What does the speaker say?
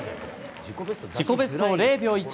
自己ベストを０秒